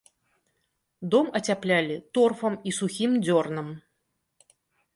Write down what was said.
Дом ацяплялі торфам і сухім дзёрнам.